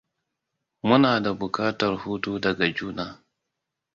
Muna da bukatar hutu daga juna.